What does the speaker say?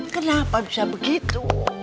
kenapa bisa begitu